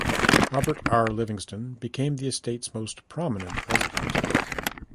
Robert R. Livingston became the estate's most prominent resident.